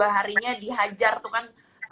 dua harinya dihajar tuh kan